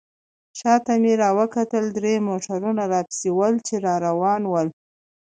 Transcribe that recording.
شاته مې راوکتل درې موټرونه راپسې ول، چې را روان ول.